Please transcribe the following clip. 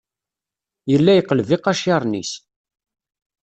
Yella yeqleb iqaciren-is.